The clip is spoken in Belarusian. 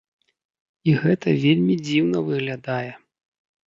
І гэта вельмі дзіўна выглядае.